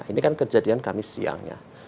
ini kan kejadian kamis siangnya